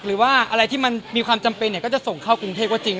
หรือว่าอะไรที่มันมีความจำเป็นก็จะส่งเข้ากรุงเทพก็จริง